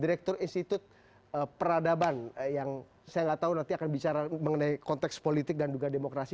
direktur institut peradaban yang saya nggak tahu nanti akan bicara mengenai konteks politik dan juga demokrasi